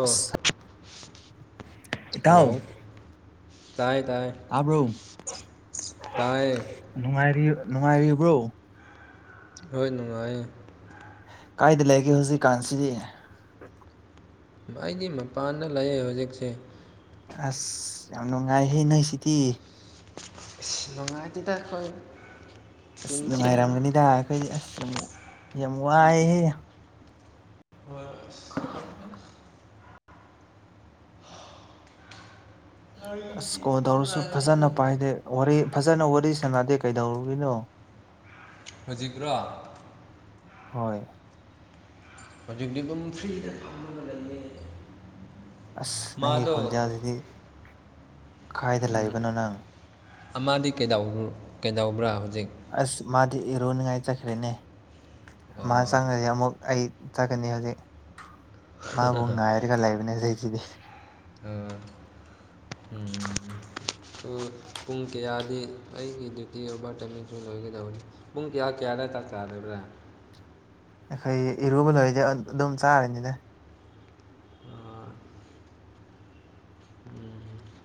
ꯑ ꯑꯁ [unintelligible] ꯍꯜꯂꯣ ꯏꯇꯥꯎ ꯇꯥꯏ ꯇꯥꯏ ꯇꯥꯕ꯭ꯔꯣ ꯇꯥꯏ ꯅꯨꯡꯉꯥꯏꯔꯤ ꯅꯨꯡꯉꯥꯏꯔꯤꯕ꯭ꯔꯣ ꯔꯣꯏ ꯅꯨꯡꯉꯥꯏꯌꯦ ꯀꯥꯏꯗ ꯂꯩꯒꯦ ꯍꯧꯖꯤꯛꯀꯥꯟꯁꯤꯗꯤ ꯑꯩꯗꯤ ꯃꯄꯥꯟꯗ ꯂꯩꯌꯦ ꯍꯨꯖꯤꯛꯁꯦ ꯑꯁ ꯌꯥꯝ ꯅꯨꯡꯉꯥꯏꯍꯦ ꯅꯣꯏ ꯁꯤꯗꯤ ꯅꯨꯡꯉꯥꯏꯇꯦꯗꯥ ꯈꯣꯏ ꯑꯁ ꯅꯨꯡꯉꯥꯏꯔꯝꯒꯅꯤꯗ ꯑꯩꯈꯣꯏꯗꯤ ꯑꯁ ꯌꯥꯝ ꯌꯥꯝ ꯋꯥꯏꯍꯦ [unintelligible] ꯑꯁ ꯑꯩꯗꯤ ꯀꯣꯜꯇꯧꯔꯁꯨ ꯅꯨꯡꯉꯥꯏꯕꯅꯤꯗ ꯐꯖꯅ ꯄꯥꯏꯗꯦ ꯋꯥꯔꯤ ꯐꯖꯅ ꯋꯥꯔꯤ ꯁꯥꯟꯅꯗꯦ ꯀꯩꯗꯧꯔꯝꯃꯤꯅꯣ ꯍꯧꯖꯤꯛꯔꯣ ꯍꯣꯏ ꯍꯧꯖꯤꯛꯇꯤꯗꯨꯝ ꯐ꯭ꯔꯤꯗ ꯐꯝꯃꯒ ꯂꯩꯌꯦ ꯑꯁ ꯅꯪꯒꯤ ꯃꯥꯗꯣ ꯈꯣꯟꯖꯦꯜꯁꯤꯗꯤ ꯀꯥꯏꯗ ꯎꯝ ꯂꯩꯕꯅꯣ ꯅꯪ ꯑꯃꯗꯤ ꯀꯩꯗꯧ ꯀꯩꯗꯧꯕ꯭ꯔꯥ ꯍꯧꯖꯤꯛ ꯑꯁ ꯃꯥꯗꯤ ꯏꯔꯨꯅꯤꯉꯥꯏ ꯆꯠꯈ꯭ꯔꯦꯅꯦ ꯃꯥ ꯑꯣ ꯆꯪꯉꯗꯤ ꯑꯃꯨꯛ ꯑꯩ ꯆꯠꯀꯅꯤ ꯍꯧꯖꯤꯛ ꯃꯥꯕꯨꯨ ꯉꯥꯏꯔꯒ ꯂꯩꯕꯅꯦ [unintelligible] ꯑ ꯎꯝ ꯑꯗꯨ ꯄꯨꯡ ꯀꯌꯥꯗꯤ ꯑꯩꯒꯤ ꯗ꯭ꯌꯨꯇꯤ ꯑꯣꯚꯔ ꯇꯥꯏꯃꯤꯡꯁꯨ ꯂꯣꯏꯒꯗꯕꯅꯤ ꯄꯨꯡ ꯀꯌꯥ ꯀꯌꯥ ꯆꯥꯛ ꯆꯥꯗꯨꯏꯕꯥ ꯑꯩꯈꯣꯏ ꯏꯔꯨꯕ ꯂꯣꯏꯔꯤꯗꯤ ꯑꯗꯨꯝ ꯆꯥꯔꯅꯤꯗ ꯑꯗꯨꯗꯤ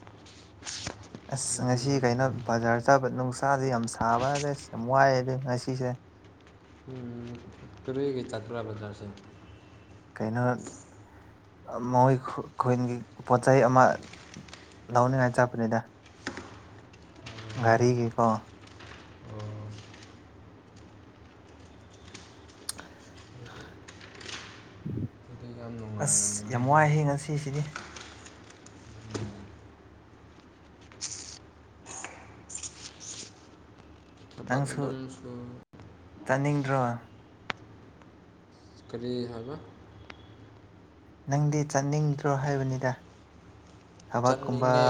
ꯑꯁ ꯉꯁꯤ ꯌꯥꯝ ꯀꯩꯅꯣ ꯐꯩ ꯕꯖꯥꯔ ꯆꯥꯕ ꯅꯨꯡꯁꯥꯁꯦ ꯌꯥꯝ ꯁꯥꯕꯗ ꯑꯁ ꯌꯥꯝ ꯋꯥꯏꯑꯦꯗ ꯉꯁꯤꯁꯦ ꯎꯝ ꯀꯔꯤ ꯅꯨꯡꯇꯤꯒꯤ ꯆꯥꯠꯕ꯭ꯔꯥ ꯕꯖꯥꯔꯁꯦ ꯀꯩꯅꯣ ꯃꯣꯏ ꯈꯨꯟꯒꯤ ꯄꯣꯠ ꯆꯩꯩ ꯑꯃ ꯂꯧꯅꯤꯡꯉꯥꯏ ꯆꯠꯄꯅꯤꯗ ꯒꯥꯔꯤꯒꯤꯀꯣ ꯑꯣ ꯑꯗꯨꯗꯤ ꯌꯥꯝ ꯑꯁ ꯌꯥꯝ ꯅꯨꯡꯉꯥꯏꯔꯝꯒꯅꯤꯀꯣ ꯋꯥꯏꯍꯦ ꯉꯁꯤꯁꯤꯗꯤ ꯊꯕꯛ ꯅꯪꯁꯨ ꯑꯗꯨꯝ ꯁꯨ ꯆꯥꯠꯅꯤꯡꯗ꯭ꯔꯣ ꯀꯔꯤ ꯍꯥꯏꯕ ꯅꯪꯗꯤ ꯆꯠꯅꯤꯡꯗ꯭ꯔꯣ ꯍꯥꯏꯕꯅꯤꯗ ꯊꯕꯛꯀꯨꯝꯕ ꯆꯠꯅꯤꯡꯉꯦ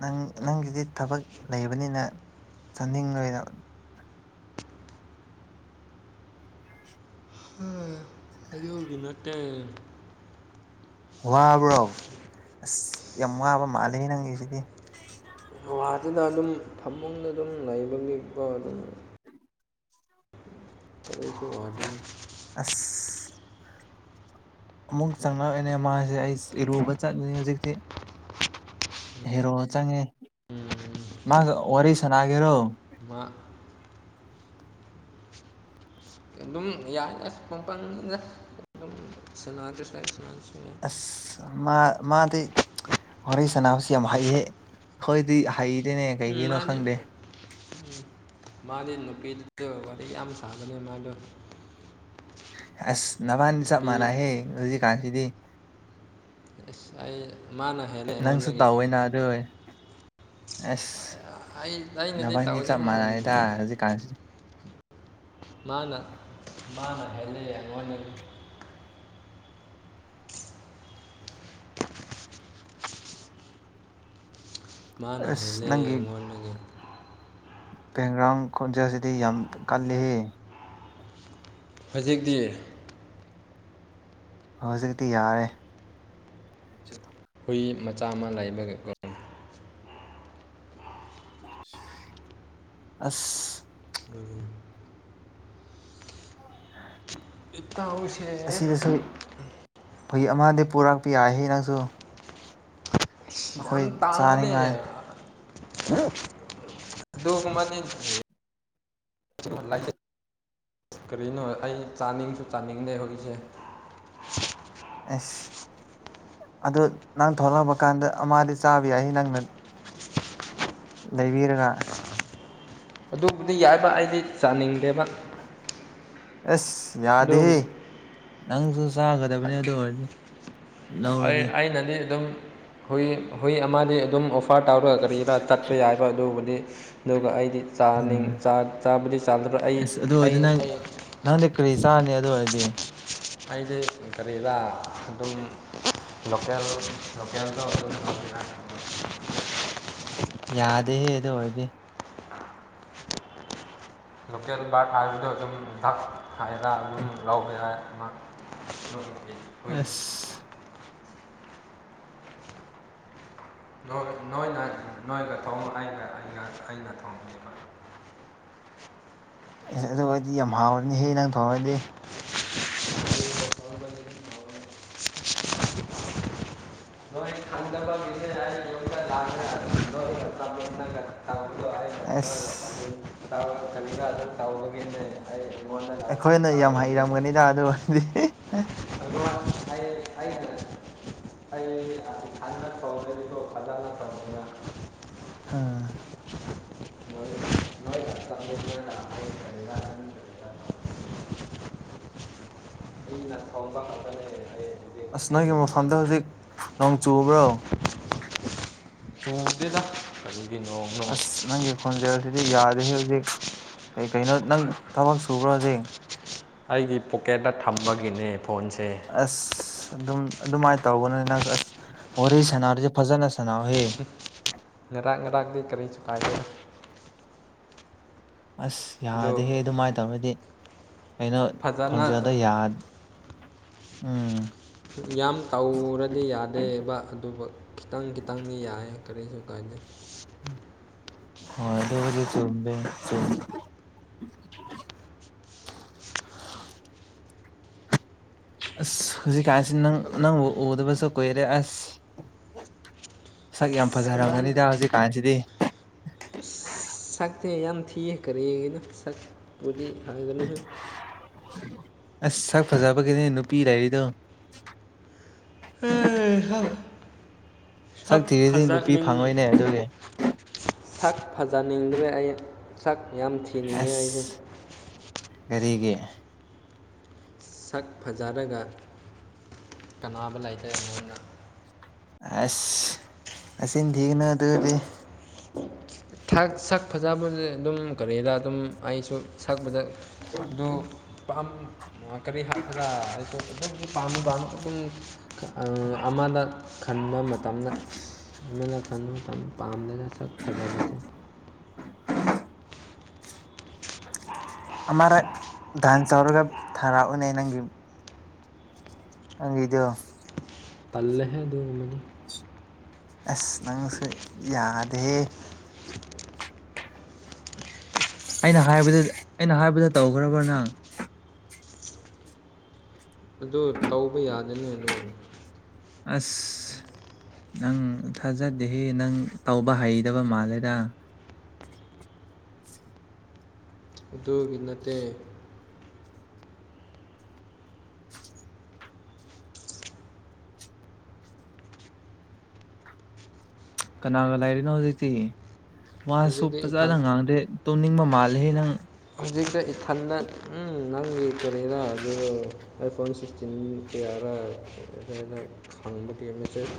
ꯅꯪ ꯅꯪꯒꯤꯗꯤ ꯊꯕꯛ ꯂꯩꯕꯅꯤꯅ ꯆꯥꯅꯤꯡꯉꯣꯏꯅ ꯎꯝ ꯅꯠꯇꯦ ꯋꯥꯕ꯭ꯔꯣ ꯑꯁ ꯌꯥꯝ ꯋꯥꯕ ꯃꯥꯂꯦꯍꯦ ꯅꯪꯒꯤꯁꯤꯗꯤ ꯄꯥꯗꯦꯗ ꯑꯗꯨꯝ ꯐꯃꯨꯡꯗ ꯑꯗꯨꯝ ꯂꯩꯕꯒꯤꯕ ꯑꯗꯨꯝ ꯀꯔꯤꯁꯨ ꯋꯥꯗꯦ ꯑꯁ ꯑꯃꯨꯛ ꯆꯪꯉꯛꯌꯦꯅꯦ ꯃꯥꯁꯦ ꯑꯩ ꯏꯔꯨꯕ ꯆꯠꯂꯤꯅꯤ ꯍꯧꯖꯤꯛꯇꯤ ꯍꯦꯔꯣ ꯆꯪꯉꯦ ꯃꯥꯒ ꯋꯥꯔꯤ ꯁꯥꯥꯟꯅꯒꯦꯔꯣ ꯑꯃ ꯑꯗꯨꯝ ꯌꯥꯏ ꯑꯁ ꯃꯄꯥꯜ ꯅꯤꯗ ꯑꯗꯨꯝ ꯁꯥꯟꯅꯔꯁꯨ ꯌꯥꯢ ꯁꯥꯟꯅꯗ꯭ꯔꯁꯨ ꯌꯥꯢ ꯑꯁ ꯃꯥ ꯃꯥꯗꯤ ꯋꯥꯔꯤ ꯁꯥꯟꯅꯕꯁꯦ ꯌꯥꯝ ꯍꯩꯌꯦ ꯛꯩꯈꯣꯢꯗꯤ ꯍꯩꯇꯦ ꯎꯝ ꯃꯥꯗꯤ ꯎ ꯃꯥꯗꯤ ꯅꯨꯄꯤꯗꯨꯗ ꯋꯥꯔꯤ ꯌꯥꯝ ꯁꯥꯕꯅꯦ ꯃꯥꯗꯣ ꯑꯁ ꯅꯕꯥꯅꯤ ꯆꯞ ꯅꯨꯄꯤ ꯃꯥꯟꯅꯩꯍꯦ ꯍꯧꯖꯤꯛꯀꯥꯟꯁꯤꯗꯤ ꯑꯦꯁ ꯑꯩ ꯃꯥꯅ ꯍꯦꯜꯂꯦ ꯅꯪꯁꯨ ꯑꯩꯉꯣꯟꯗꯒꯤ ꯇꯧꯋꯦꯅ ꯑꯗꯨ ꯑꯁ ꯑꯩ ꯑꯩꯅꯗꯤ ꯅꯕꯥꯏꯅꯤ ꯆꯥꯞ ꯇꯧꯗꯦꯗ ꯃꯥꯅꯩꯗ ꯍꯧꯖꯤꯛꯀꯥꯟꯁꯤ ꯃꯥꯅ ꯃꯥꯅ ꯍꯦꯜꯂꯤ ꯑꯩꯉꯣꯟꯗꯒꯤ ꯃꯥꯅ ꯑꯁ ꯍꯦꯜꯂꯦ ꯑꯩꯉꯣꯟꯗꯒꯤ ꯕꯦꯡꯒ꯭ꯔꯥꯎꯟ ꯈꯣꯟꯖꯦꯜꯁꯤꯗꯤ ꯌꯥꯝ ꯀꯜꯂꯤꯍꯦ ꯍꯧꯖꯤꯛꯇꯤ ꯍꯧꯖꯤꯛꯇꯤ ꯌꯥꯔꯦ ꯍꯨꯏ ꯃꯆꯥ ꯑꯃ ꯂꯩꯕꯒꯤꯒꯣ ꯑꯁ ꯏꯇꯥꯎꯁꯤ ꯑꯁꯤꯗꯁꯨ ꯍꯨꯢ ꯑꯃꯗꯤ ꯄꯨꯔꯛꯄ ꯌꯥꯏꯍꯦ ꯅꯪꯁꯨ ꯑꯩꯈꯣꯏ ꯌꯥꯝ ꯇꯥꯡꯕꯅꯦ ꯆꯥꯅꯤꯡꯉꯥꯏ ꯑꯗꯨꯒꯨꯝꯕꯗꯤ ꯂꯦ [unintelligible] ꯀꯔꯤꯅꯣ ꯑꯩ ꯆꯥꯅꯤꯡꯁꯨ ꯆꯥꯅꯤꯡꯗꯦ ꯍꯧꯖꯤꯛꯁꯦ ꯑꯁ ꯑꯗꯨ ꯅꯪ ꯊꯣꯛꯂꯛꯄ ꯀꯥꯟꯗ ꯃꯥꯗꯤ ꯆꯥꯕ ꯌꯥꯏ ꯅꯪꯅ ꯂꯩꯕꯤꯔꯒ ꯑꯗꯨꯕꯨꯗꯤ ꯌꯥꯏꯕ ꯑꯩꯗꯤ ꯆꯥꯅꯤꯡꯗꯦꯕ ꯑꯁ ꯌꯥꯗꯦꯍꯦ ꯑꯗꯨꯕꯨꯗꯤ ꯅꯪꯁꯨ ꯆꯥꯒꯗꯕꯅꯤ ꯑꯗꯨ ꯑꯣꯏꯔꯗꯤ ꯍꯣꯏ ꯂꯧꯔꯗꯤ ꯑꯩꯅꯗꯤ ꯑꯗꯨꯝ ꯍꯨꯏ ꯍꯨꯏ ꯑꯃꯗꯤ ꯑꯗꯨꯝ ꯑꯣꯐꯔ ꯇꯧꯔꯒ ꯀꯔꯤꯔ ꯆꯠꯄ ꯌꯥꯏꯕ ꯑꯗꯨꯕꯨꯗꯤ ꯑꯗꯨꯒ ꯑꯩꯗꯤ ꯆꯥꯅꯤꯡ ꯎꯝ ꯆꯥ ꯆꯥꯕꯗꯤ ꯆꯥꯗ꯭ꯔꯒꯥ ꯑꯩ ꯑꯁ ꯑꯗꯨ ꯑꯩ ꯑꯣꯏꯔꯗꯤ ꯅꯪ ꯑꯧ ꯅꯪꯗꯤ ꯀ꯭ꯔꯤ ꯆꯥꯔꯅꯤ ꯑꯗꯨ ꯑꯣꯏꯔꯗꯤ ꯑꯩꯗꯤ ꯀꯔꯤꯔ ꯑꯗꯨꯝ ꯂꯣꯀꯦꯜ ꯂꯣꯀꯦꯜꯗꯣ [unintelligible] ꯌꯥꯗꯦ ꯍꯦ ꯑꯗꯨ ꯑꯣꯏꯔꯗꯤ ꯂꯣꯀꯦꯜ ꯕꯥꯔꯠ ꯍꯥꯏꯕꯗꯣ ꯑꯗꯨꯝ [unintelligible] ꯍꯥꯏꯔ ꯑꯗꯨꯝ ꯂꯧꯕ ꯌꯥꯏ ꯑꯃ [unintelligible] ꯑꯁ ꯅꯣꯏ ꯅꯣꯏꯅ ꯅꯣꯏꯒ ꯊꯣꯡꯉꯣ ꯑꯩꯅ ꯑꯩꯒ ꯑꯩꯅ ꯊꯣꯡꯕꯤꯒꯦꯕ ꯑꯦꯁ ꯑꯗꯨ ꯑꯣꯏꯗꯤ ꯌꯥꯝ ꯍꯥꯎꯔꯅꯤꯍꯦ ꯅꯪ ꯊꯣꯡꯔꯗꯤ ꯑꯁ [unintelligible] [unintelligible] ꯇꯧꯕꯒꯤꯅꯤ ꯑꯩꯈꯣꯏꯅ ꯌꯥꯝ ꯍꯩꯔꯝꯒꯅꯤꯗ ꯑꯗꯨ ꯑꯣꯏꯔꯗꯤ [unintelligible] ꯑꯩ [unintelligible] ꯑꯥ [unintelligible] [inaudible] ꯑꯩꯅ ꯊꯣꯡꯕ ꯉꯥꯛꯇꯅꯦ ꯍꯩꯌꯦ ꯑꯁ ꯅꯪꯒꯤ ꯃꯐꯝꯗꯣ ꯍꯧꯖꯤꯛ ꯅꯣꯡ ꯆꯨꯕ꯭ꯔꯣ ꯆꯨꯗꯦꯗ ꯀꯔꯤꯒꯤ ꯅꯣꯡꯅꯣ ꯑꯁ ꯅꯪꯒꯤ ꯈꯣꯟꯖꯦꯜꯁꯤꯗꯤ ꯌꯥꯗꯦ ꯍꯦ ꯍꯧꯖꯤꯛ ꯀꯩ ꯀꯩꯅꯣ ꯅꯪ ꯊꯕꯛ ꯁꯨꯕ꯭ꯔꯣ ꯍꯧꯖꯤꯛ ꯑꯩꯒꯤ ꯄꯣꯛꯀꯦꯠꯇ ꯊꯝꯕꯒꯤꯅꯦ ꯐꯣꯟꯁꯦ ꯑꯁ ꯑꯗꯨꯝ ꯑꯗꯨꯃꯥꯏꯅ ꯇꯧꯒꯅꯨꯍꯦ ꯅꯪ ꯑꯁ ꯋꯥꯔꯤ ꯁꯥꯟꯅꯔꯗꯤ ꯐꯖꯅ ꯁꯥꯟꯅꯧꯍꯦ ꯉꯔꯥꯛ ꯉꯔꯥꯛꯇꯤ ꯀꯔꯤꯁꯨ ꯀꯥꯏꯗꯦ ꯑꯁ ꯑꯗꯨ ꯌꯥꯗꯦꯍꯦ ꯑꯗꯨꯃꯥꯏꯅ ꯇꯧꯔꯗꯤ ꯀꯩꯅꯣ ꯈꯣꯟꯖꯦꯜꯗꯣ ꯐꯖꯅ ꯌꯥ ꯎꯝ ꯌꯥꯝ ꯇꯧꯔꯗꯤ ꯌꯥꯗꯦꯕ ꯑꯗꯨꯕꯨ ꯈꯤꯇꯪ ꯈꯤꯇꯪꯗꯤ ꯌꯥꯏꯌꯦ ꯀꯔꯤꯁꯨ ꯀꯥꯏꯗꯦ ꯎꯝ ꯍꯣꯏ ꯑꯗꯨꯕꯨꯗꯤ ꯆꯨꯝꯃꯦ ꯆꯨꯝ ꯑꯁ ꯍꯧꯖꯤꯛ ꯀꯥꯟꯁꯤ ꯅꯪ ꯅꯪꯕꯨ ꯎꯗꯕꯁꯨ ꯀꯨꯏꯔꯦ ꯑꯁ ꯁꯛ ꯌꯥꯝ ꯐꯖꯔꯝꯒꯅꯤꯗ ꯍꯧꯖꯤꯛꯀꯥꯟꯁꯤꯗꯤ ꯑꯁ ꯁꯛꯇꯤ ꯌꯥꯝ ꯊꯤꯌꯦ ꯀꯔꯤꯒꯤꯅꯣ ꯁꯛꯄꯨꯗꯤ ꯍꯪꯒꯅꯨꯍꯦ ꯑꯁ ꯁꯛ ꯐꯖꯕꯒꯤꯅꯦ ꯅꯨꯄꯤ ꯂꯩꯔꯤꯗꯣ ꯍꯩ ꯍꯥ ꯁꯛ ꯊꯤꯔꯗꯤ ꯅꯨꯄꯤ ꯐꯖꯅꯤꯡ ꯐꯪꯉꯣꯏꯅꯦ ꯑꯗꯨꯒꯤ ꯁꯛ ꯐꯖꯅꯤꯡꯗ꯭ꯔꯦ ꯑꯩ ꯁꯛ ꯌꯥꯝ ꯊꯤ ꯑꯁ ꯀꯔꯤꯒꯤ ꯁꯛ ꯐꯖꯔꯒ ꯀꯅꯥꯕ ꯂꯩꯇꯦ ꯑꯩꯉꯣꯟꯗ ꯑꯁ ꯅꯆꯤꯟ ꯊꯤꯒꯅꯨ ꯑꯗꯨꯗꯤ ꯁꯛ ꯐꯖꯕꯁꯤ ꯑꯗꯨꯝ ꯀꯔꯤꯔ ꯑꯗꯨꯝ ꯑꯩꯁꯨ ꯁꯛꯄꯗ [inaudible] ꯑꯣ ꯄꯥꯝ ꯀꯔꯤ ꯍꯥꯏꯁꯦꯔꯥ ꯑꯩꯁꯨ ꯑꯗꯨꯒꯤ ꯄꯥꯝꯃ ꯄꯥꯝꯃ ꯑꯗꯨꯝ ꯑ ꯑꯃꯅ ꯈꯟꯕ ꯃ ꯃꯇꯝꯅ ꯑꯃꯅ ꯈꯟꯕ ꯃꯇꯝ ꯄꯥꯝꯗꯦꯗ ꯁꯛ ꯐꯖꯕꯁꯦ꯫ [inaudible] ꯑꯃꯔꯛ ꯗꯥꯟꯁ ꯇꯧꯔꯒ ꯊꯥꯔꯛꯎꯅꯦ ꯅꯪꯒꯤ ꯅꯪꯒꯤꯗꯣ꯫ ꯇꯜꯂꯦꯍꯦ ꯑꯗꯨꯒꯨꯝꯕꯗꯤ꯫ ꯑꯁ ꯅꯪꯁꯨ ꯌꯥꯗꯦꯍꯦ꯫ ꯑꯩꯅ ꯍꯥꯏꯕꯗꯨ ꯑꯩꯅ ꯍꯥꯏꯕꯗꯨ ꯇꯧꯈ꯭ꯔꯕꯣ ꯅꯪ꯫ ꯑꯗꯨ ꯇꯧꯕ ꯌꯥꯗꯦꯅꯦ ꯑꯗꯨ꯫ ꯑꯁ꯫ ꯅꯪ ꯊꯥꯖꯗꯦꯍꯦ ꯅꯪ ꯇꯧꯕ ꯍꯩꯗꯕ ꯃꯥꯜꯂꯦꯗ꯫ ꯑꯗꯨꯒꯤ ꯅꯠꯇꯦ꯫ ꯀꯅꯥꯒ ꯂꯩꯔꯤꯅꯣ ꯍꯧꯖꯤꯛꯇꯤ ꯋꯥꯁꯨ ꯍꯧꯖꯤꯛꯇꯤ ꯏꯊꯟ ꯐꯖꯅ ꯉꯥꯡꯗꯦ꯫ ꯇꯨꯝꯅꯤꯡꯕ ꯃꯥꯜꯂꯦꯍꯦ ꯅꯪ꯫ ꯍꯧꯖꯤꯛꯇ ꯏꯊꯟꯗ ꯎꯝ ꯅꯪꯒꯤ ꯀꯔꯤꯔ ꯑꯗꯨ ꯑꯥꯏ ꯐꯣꯟ ꯁꯤꯛꯁ ꯇꯤꯟ ꯀꯌꯥꯔꯥ [unintelligible] ꯈꯪꯕ ꯗꯦꯝꯁꯦ [unintelligible]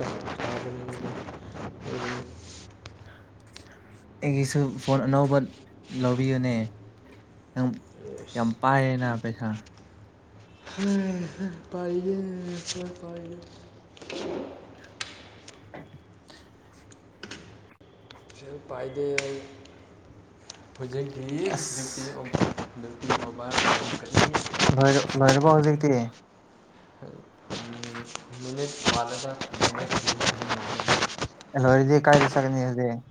ꯑꯩꯒꯤꯁꯨ ꯐꯣꯟ ꯑꯅꯧꯕ ꯂꯧꯕꯤꯌꯨꯅꯦ꯫ ꯅꯪ ꯌꯥꯝ ꯄꯥꯏꯌꯦꯅ ꯄꯩꯁꯥ꯫ ꯄꯥꯏꯗꯦ ꯑꯩꯈꯣꯏ ꯄꯥꯏꯗꯦ꯫ [inaudible] ꯁꯦꯜ ꯄꯥꯏꯗꯦ ꯑꯩ ꯍꯧꯖꯤꯛꯇꯤ ꯗ꯭ꯌꯨꯇꯤ ꯑꯁ [unintelligible] ꯅꯨꯄꯤ ꯃꯃꯥꯅ [unintelligible] ꯂꯣꯏꯔ ꯂꯣꯏꯔꯕꯣ ꯍꯧꯖꯤꯛꯇꯤ꯫ [unintelligible] ꯂꯣꯏꯔꯗꯤ ꯀꯥꯏꯗ ꯆꯠꯀꯅꯤ [unintelligible]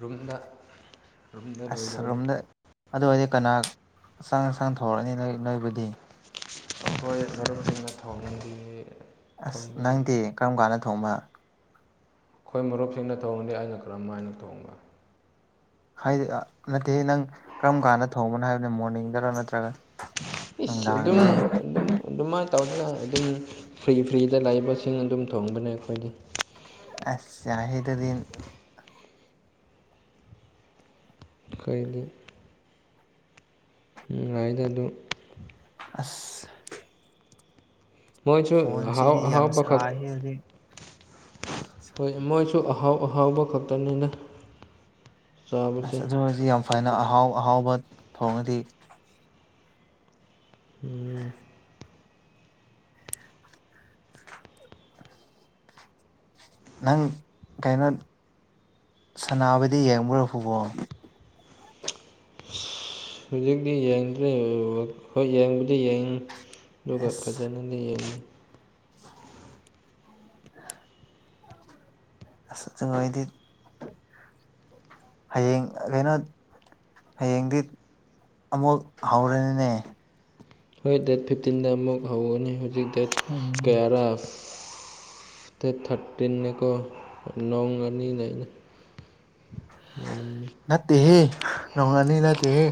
ꯔꯨꯝꯗ꯫ ꯔꯨꯝꯗ ꯑꯁ ꯂꯣꯏꯗꯧꯔꯦ ꯔꯨꯝꯗ ꯑꯗꯨ ꯑꯣꯏꯔꯗꯤ ꯀꯅꯥ ꯆꯥꯛ ꯏꯟꯁꯥꯡ ꯊꯣꯡꯔꯅꯤ ꯅꯣꯏ ꯅꯣꯏꯕꯨꯗꯤ꯫ ꯑꯩꯈꯣꯏ ꯃꯔꯨꯞꯁꯤꯅ ꯊꯣꯡ [unintelligible] ꯑꯁ ꯅꯪꯗꯤ ꯀꯔꯝ ꯀꯥꯟꯗ ꯊꯣꯡꯕ꯫ ꯑꯩꯈꯣꯏ ꯃꯔꯨꯞꯁꯤꯡꯅ ꯊꯣꯡꯉꯗꯤ ꯑꯩꯅ ꯀꯔꯝ ꯍꯥꯏꯅ ꯊꯣꯡꯕ꯫ ꯍꯥꯏꯗꯤ ꯑꯥ ꯅꯠꯇꯦꯍꯦ ꯅꯪ ꯀꯔꯝ ꯀꯥꯟꯗ ꯊꯣꯡꯕꯅꯣ ꯍꯥꯏꯕꯅꯦ ꯃꯣꯔꯅꯤꯡꯗꯔ ꯅꯠꯇ꯭ꯔꯒ꯫ ꯏꯁ ꯑꯗꯨꯝ ꯅꯨꯡꯗꯥꯡꯗꯔ ꯑꯗꯨꯝ ꯑꯗꯨꯃꯥꯏꯅ ꯇꯧꯗꯦꯗ ꯑꯗꯨꯝ ꯐ꯭ꯔꯤ ꯐ꯭ꯔꯤꯗ ꯂꯩꯕꯁꯤꯡ ꯑꯗꯨꯝ ꯊꯣꯡꯕꯅꯦ ꯑꯩꯈꯣꯏꯗꯤ꯫ ꯑꯁ ꯌꯥꯏꯍꯦ ꯑꯗꯨꯗꯤ꯫ ꯑꯩꯈꯣꯏꯗꯤ꯫ ꯅꯨꯡꯉꯥꯏꯗ ꯑꯗꯨ꯫ ꯑꯁ꯫ ꯃꯣꯏꯁꯨ ꯑꯍꯥꯎ ꯐꯣꯟꯁꯤꯗꯤ ꯌꯥꯝ ꯑꯍꯥꯎꯕ ꯈꯛ [unintelligible] ꯍꯧꯖꯤꯛ ꯍꯣꯏ ꯃꯣꯏꯁꯨ ꯑꯍꯥꯎ ꯑꯍꯥꯎꯕ ꯈꯛꯇꯅꯤꯗ꯫ ꯆꯥꯕꯁꯦ ꯑꯁ ꯑꯗꯨ ꯑꯣꯏꯔꯗꯤ ꯌꯥꯝ ꯐꯩꯅ ꯑꯍꯥꯎ ꯑꯍꯥꯎꯕ ꯊꯣꯡꯉꯗꯤ꯫ ꯎꯝ꯫ ꯅꯪ ꯀꯩꯅꯣ ꯁꯅꯥꯕꯗꯤ ꯌꯦꯡꯕ꯭ꯔꯣ ꯐꯨꯠꯕꯣꯜ꯫ ꯍꯧꯖꯤꯛꯇꯤ ꯌꯦꯡꯗ꯭ꯔꯦ ꯍꯣꯏ ꯌꯦꯡꯕꯗꯤ ꯌꯦꯡꯉ ꯑꯗꯨꯒ ꯑꯁ ꯐꯖꯅ [unintelligible] [inaudible] ꯑꯁ ꯍꯥꯛꯆꯥꯢ ꯅꯨꯡꯉꯥꯢꯇꯦ ꯍꯌꯦꯡ ꯀꯩꯅꯣ ꯍꯌꯦꯡꯗꯤ ꯑꯃꯨꯛ ꯍꯧꯔꯦꯅꯦ ꯍꯣꯏ ꯗꯦꯠ ꯐꯤꯞꯇꯤꯟꯗ ꯑꯃꯨꯛ ꯍꯧꯒꯅꯤ ꯍꯧꯖꯤꯛ ꯗꯦꯠ ꯎꯝ ꯀꯌꯥꯔꯥ ꯗꯦꯠ ꯊꯥꯔꯇꯤꯟꯅꯦꯀꯣ ꯅꯣꯡ ꯅꯤꯅꯤ ꯂꯩꯩꯅꯤ ꯅꯠꯇꯦꯍꯦ ꯅꯣꯡꯉꯥꯜꯂꯦ ꯅꯠꯇꯦꯍꯦ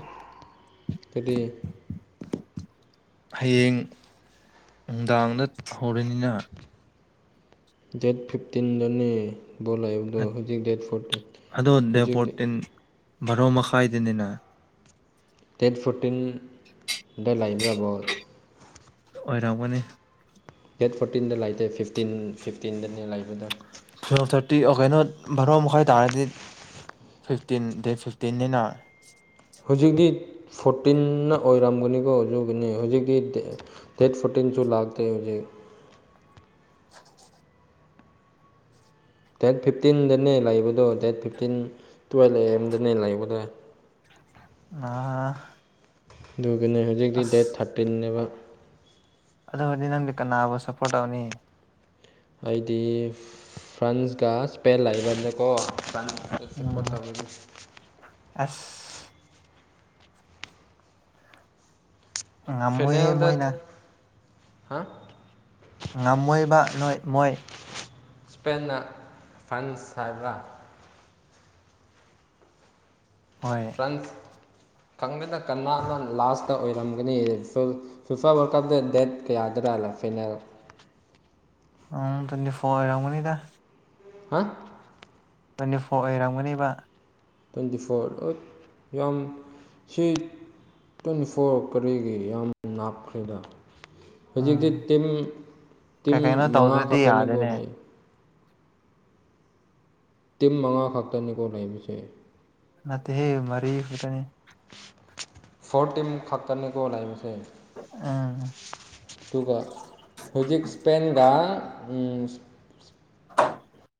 ꯍꯌꯦꯡ ꯅꯨꯡꯗꯥꯡꯗ ꯍꯧꯔꯅꯤꯅ ꯗꯦꯠ ꯐꯤꯞꯇꯤꯟꯗꯅꯦ ꯕꯣꯜ ꯂꯩꯕꯗꯣ ꯍꯧꯖꯤꯛ ꯗꯦꯠ ꯐꯣꯔꯇꯤꯟ ꯍꯧꯖꯤꯛꯇꯤ ꯚꯔꯣ ꯃꯈꯥꯏꯗꯅꯤꯅ ꯗꯦꯠ ꯐꯣꯔꯇꯤꯟꯗ ꯂꯩꯕ꯭ꯔꯥ ꯕꯣꯜ ꯑꯣꯏꯔꯝꯒꯅꯤ ꯗꯦꯠ ꯐꯣꯔꯇꯤꯟꯗ ꯂꯩꯇꯦ ꯐꯤꯞꯇꯤꯟ ꯐꯤꯐꯇꯤꯟꯗꯅꯦ ꯂꯩꯕꯗꯣ ꯇꯨꯋꯤꯞ ꯊꯥꯔꯇꯤ ꯑꯣ ꯀꯩꯅꯣ ꯚꯔꯣ ꯃꯈꯥꯏ ꯇꯥꯔꯗꯤ ꯐꯤꯞꯇꯤꯟ ꯗꯦꯠ ꯐꯤꯞꯇꯤꯟꯅꯤꯅ ꯍꯧꯖꯤꯛꯇꯤ ꯐꯣꯔꯇꯤꯟꯅ ꯑꯣꯏꯔꯝꯒꯅꯤꯀꯣ ꯑꯗꯨꯅꯤ ꯍꯧꯖꯤꯛꯇꯤ ꯗꯦꯠ ꯐꯨꯇꯤꯡꯁꯨ ꯂꯥꯛꯇꯦ ꯍꯧꯖꯤꯛ ꯗꯦꯠ ꯐꯤꯞꯇꯤꯟꯗꯅꯦ ꯂꯩꯕꯗꯣ ꯗꯦꯠ ꯐꯤꯞꯇꯤꯟ ꯇꯨꯌꯦꯜꯕꯑꯦ ꯑꯦꯝꯗꯅꯦ ꯂꯩꯕꯗꯣ ꯍꯥ ꯑꯗꯨꯒꯤꯅꯦ ꯍꯧꯖꯤꯛꯇꯤ ꯗꯦꯠ ꯊꯥꯔꯇꯤꯟꯅꯦꯕ ꯑꯗꯨꯒꯅꯤ ꯅꯪꯗꯤ ꯀꯅꯥꯕꯨ ꯁꯄꯣꯔꯠ ꯇꯧꯅꯤ ꯑꯩꯗꯤ ꯐ꯭ꯔꯥꯟꯁꯒ ꯏꯁꯄꯦꯟ ꯂꯩꯕꯅꯤꯅꯀꯣ ꯑꯩ ꯁꯥꯕꯣꯔꯠ ꯎꯝ ꯇꯧꯒꯅꯤ ꯑꯁ ꯉꯝꯃꯣꯏꯍꯦ ꯃꯣꯏꯅ ꯐꯤꯅꯦꯜꯗ ꯍꯥ ꯉꯝꯃꯣꯏꯕ ꯅꯣꯏ ꯃꯣꯏ ꯏꯁꯄꯦꯟꯅ ꯐ꯭ꯔꯥꯟꯁ ꯍꯥꯏꯕꯔꯥ ꯍꯣꯏ ꯈꯪꯗꯦꯗ ꯀꯅꯅꯥ ꯂꯥꯁꯇ ꯑꯣꯏꯔꯝꯒꯅꯤ ꯐꯤꯐꯥ ꯋꯥꯔꯜ ꯀꯞꯇ ꯗꯦꯠ ꯀꯌꯥꯗꯔꯥ ꯐꯤꯅꯦꯜ ꯎꯝ ꯇꯨꯢꯗꯤ ꯐꯣꯔ ꯑꯣꯢꯔꯝꯒꯅꯤꯗ ꯍꯥ ꯇ꯭ꯋꯤꯟꯇꯤ ꯐꯣꯔ ꯑꯣꯏꯔꯝꯒꯅꯤꯕ ꯇ꯭ꯋꯦꯟꯇꯤ ꯐꯣꯔ ꯌꯥꯝ ꯁꯤ ꯇ꯭ꯋꯦꯟꯇꯤ ꯐꯣꯔ ꯀꯔꯤꯒꯤ ꯌꯥꯝ ꯂꯞꯈ꯭ꯔꯦꯗ ꯎꯝ ꯍꯧꯖꯤꯛꯇꯤ ꯇꯤꯝ ꯇꯤꯝ ꯀꯩ ꯀꯩꯅꯣ ꯃꯉꯥ ꯇꯧꯗ꯭ꯔꯗꯤ ꯈꯛꯇꯅꯤꯀꯣ ꯌꯥꯗꯦꯅꯦ ꯂꯩ ꯇꯤꯝ ꯃꯉꯥ ꯈꯛꯇꯅꯤꯀꯣ ꯂꯩꯕꯁꯦ ꯅꯠꯇꯦ ꯍꯦ ꯃꯔꯤ ꯈꯛꯇꯅꯦ ꯐꯣꯔ ꯇꯤꯟ ꯈꯥꯛꯇꯅꯦ ꯂꯩꯕꯁꯦ ꯑꯥꯝ ꯑꯗꯨꯒ ꯍꯧꯖꯤꯛ ꯁ꯭ꯄꯦꯟꯒ [inaudible]